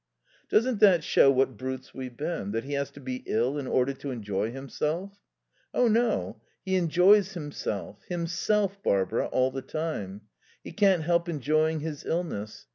"Doesn't that show what brutes we've been, that he has to be ill in order to enjoy himself?" "Oh, no. He enjoys himself himself, Barbara all the time. He can't help enjoying his illness.